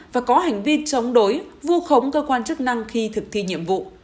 và có hành vi chống đối vu khống cơ quan chức năng khi thực thi nhiệm vụ